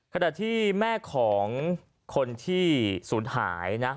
ขณะที่แม่ของคนที่ศูนย์หายนะ